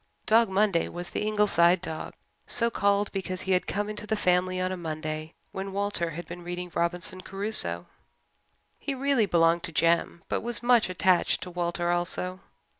Dog Monday was the Ingleside dog, so called because he had come into the family on a Monday when Walter had been reading Robinson Crusoe. He really belonged to Jem but was much attached to Walter also.